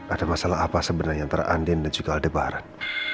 ada masalah apa sebenarnya antara andin dan juga lebaran